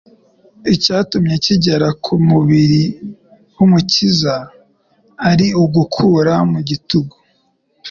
Icyuma cyigerera ku mubili w'umukinzi, ari ugukura mu gitugu